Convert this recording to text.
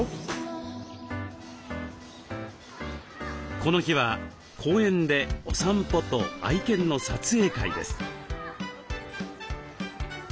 この日は公園でお散歩と愛犬の撮影会です。